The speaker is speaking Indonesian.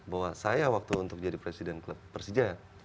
bahwa saya waktu untuk jadi presiden klub persija